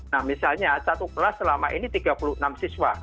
nah misalnya satu kelas selama ini tiga puluh enam siswa